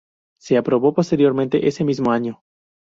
Se aprobó posteriormente, ese mismo año.